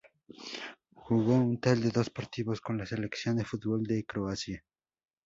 Jugó un total de dos partidos con la selección de fútbol de Croacia.